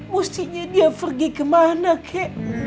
mestinya dia pergi kemana kek